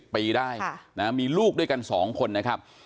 ปีได้มีลูกด้วยกัน๒คนนะครับ